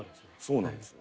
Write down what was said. そうなんですよ。